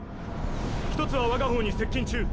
１つは我が方に接近中。